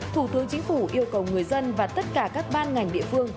thủ tướng chính phủ yêu cầu người dân và tất cả các ban ngành địa phương